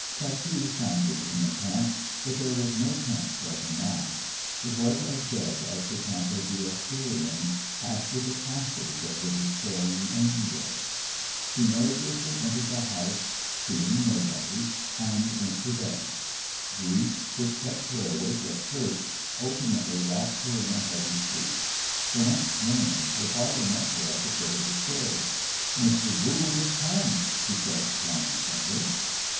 Tattoo sounded in the camp; but there was no camp for her now. It was as dead as the camp of the Assyrians after the passage of the Destroying Angel. She noiselessly entered the house, seeing nobody, and went to bed. Grief, which kept her awake at first, ultimately wrapped her in a heavy sleep. The next morning her father met her at the foot of the stairs. 'Mr. Gould is come!' he said triumphantly.